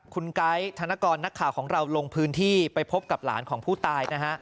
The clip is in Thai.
คุณไก๊ธนกรนักข่าวของเราลงพื้นที่ไปพบกับหลานของผู้ตายนะฮะ